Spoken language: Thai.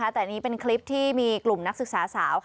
แต่อันนี้เป็นคลิปที่มีกลุ่มนักศึกษาสาว